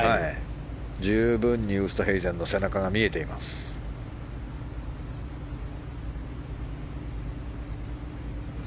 十分にウーストヘイゼンの背中が見えています。